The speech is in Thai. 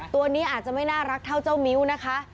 ตัวนี้อาจจะไม่น่ารักเท่าเจ้ามิ้วนะคะ